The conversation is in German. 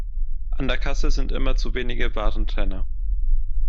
An der Kasse sind immer zu wenige Warentrenner.